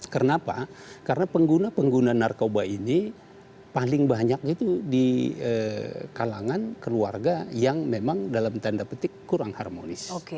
kenapa karena pengguna pengguna narkoba ini paling banyak itu di kalangan keluarga yang memang dalam tanda petik kurang harmonis